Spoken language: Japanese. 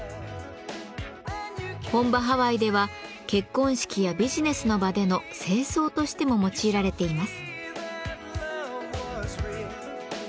本場ハワイでは結婚式やビジネスの場での正装としても用いられています。